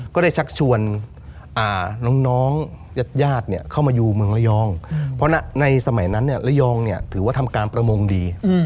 ชักชวนน้องญาติญาติเข้ามาอยู่เมืองระยองเพราะในสมัยนั้นระยองถือว่าทำการประมงดี